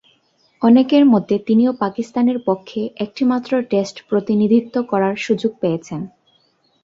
অনেকের মতো তিনিও পাকিস্তানের পক্ষে একটিমাত্র টেস্টে প্রতিনিধিত্ব করার সুযোগ পেয়েছেন।